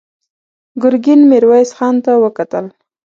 ګرګين ميرويس خان ته وکتل.